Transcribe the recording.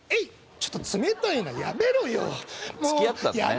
ちょっと冷たいなやめろよ付き合ったんだね